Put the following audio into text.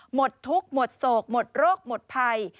หมดทุกข์หมดโศกหมดโรคหมดภัย